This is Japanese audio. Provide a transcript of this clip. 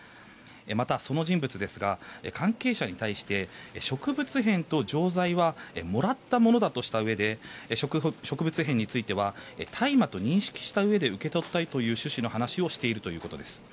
また、その人物ですが関係者に対して植物片と錠剤はもらったものだとしたうえで植物片については大麻と認識したうえで受け取ったという趣旨の話をしているということです。